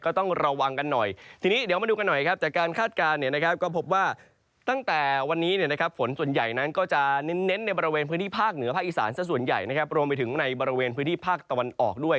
ก็ต้องระวังกันหน่อย